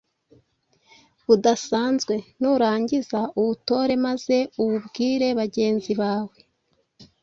budasanzwe. Nurangiza uwutore maze uwubwire bagenzi bawe